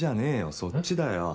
そっちだよ。